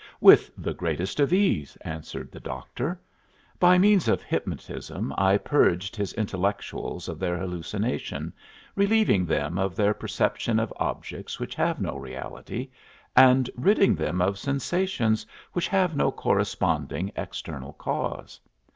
"With the greatest of ease," answered the doctor. "By means of hypnotism I purged his intellectuals of their hallucination, relieving them of their perception of objects which have no reality and ridding them of sensations which have no corresponding external cause.